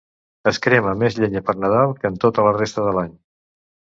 Es crema més llenya per Nadal que en tota la resta de l'any.